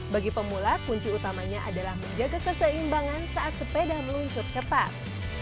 bagi pemula kunci utamanya adalah menjaga keseimbangan saat sepeda meluncur cepat